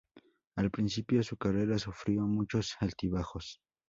Al principio su carrera sufrió muchos altibajos.